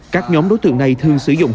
các nhóm đối tượng này thường sử dụng